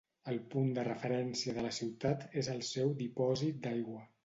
El punt de referència de la ciutat és el seu dipòsit d'aigua.